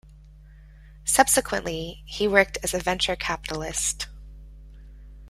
Subsequently, he worked as a venture capitalist.